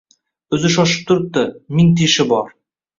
O’zi shoshib turibdi: mingta ishi bor!